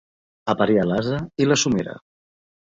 Apariar l'ase i la somera.